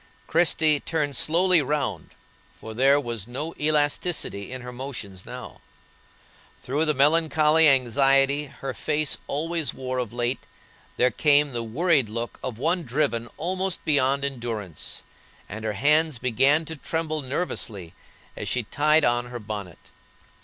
Christie turned slowly round, for there was no elasticity in her motions now; through the melancholy anxiety her face always wore of late, there came the worried look of one driven almost beyond endurance, and her hands began to tremble nervously as she tied on her bonnet.